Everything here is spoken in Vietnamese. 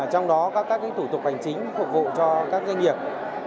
trong đó có các thủ tục hành chính phục vụ cho các doanh nghiệp